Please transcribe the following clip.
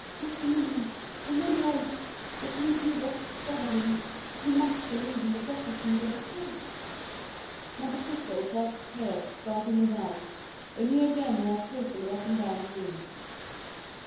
Maximilian—Emmanuel—if we do but discover him, he must believe in the gratitude of the heart!" Monte Cristo felt tears start into his eyes, and he again walked hastily up and down the room.